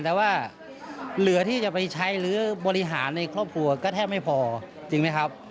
แต่ว่าเหลือที่จะไปใช้หรือบริหารในครอบครัวก็แทบไม่พอจริงไหมครับ